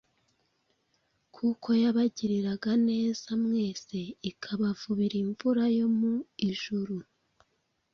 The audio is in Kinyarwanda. kuko yabagiriraga neza mwese, ikabavubira imvura yo mu ijuru,